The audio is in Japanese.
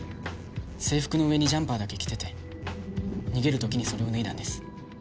制服の上にジャンパーだけ着てて逃げる時にそれを脱いだんです。